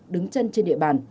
đứng chân trên địa bàn